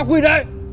tao quỷ đây